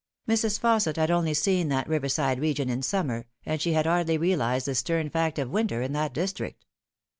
Mrs. Fausset had only seen that riverside region in summer, and she had hardly realised the stern fact of winter in that district.